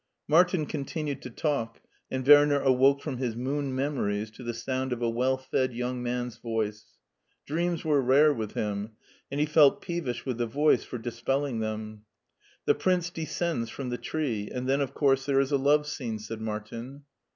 Martin continued to talk, and Werner awoke from his moon memories to the sowid of a well fed young man's voice. Dreams were rare with him, and he felt peevish with the voice for dispelling them. ^ The princess descends from the tree, and then of course there is a love scene," said Martin.